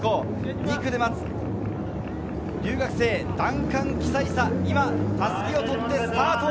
２区で待つ留学生、ダンカン・キサイサ、今、襷を取ってスタート。